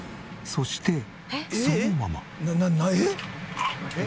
そしてそのまま。